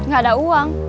gak ada uang